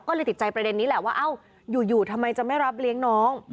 ก็เลยติดใจประเด็นนี้แหละว่าเอ้าอยู่ทำไมจะไม่รับเลี้ยงน้อง